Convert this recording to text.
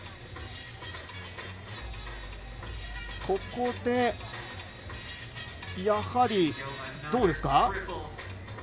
ここで、やはりどうですか。